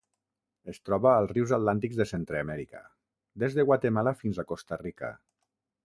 Es troba als rius atlàntics de Centreamèrica: des de Guatemala fins a Costa Rica.